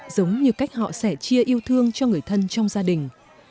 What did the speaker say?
giống như cách họ sẽ chia yêu thương cho người thân trong gia đình